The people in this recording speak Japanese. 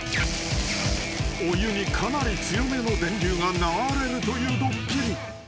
［お湯にかなり強めの電流が流れるというドッキリ］